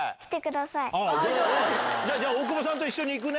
じゃあ大久保さんと一緒に行くね。